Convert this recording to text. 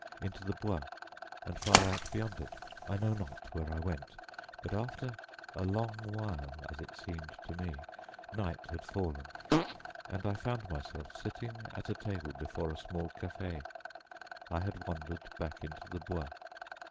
Into the Bois, and far out beyond it I know not where I went, but after a long while as it seemed to me, night had fallen, and I found myself sitting at a table before a small café. I had wandered back into the Bois.